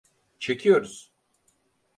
Çekiyoruz.